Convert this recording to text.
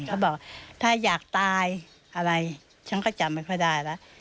เขาบอกถ้าอยากตายอะไรฉันก็จำไม่ค่อยได้แล้ว